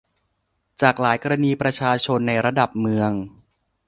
จากหลายกรณีประชาชนในระดับเมือง